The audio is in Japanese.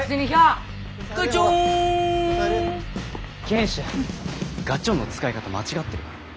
賢秀ガチョンの使い方間違ってる。